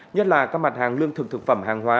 nhất là các mặt hàng lương thực thực phẩm hàng hóa